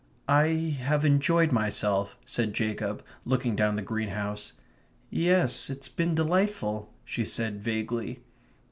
"I have enjoyed myself," said Jacob, looking down the greenhouse. "Yes, it's been delightful," she said vaguely.